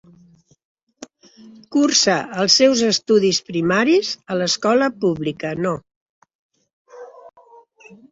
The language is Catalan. Cursa els seus estudis primaris a l'escola pública No.